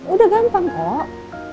udah gampang kok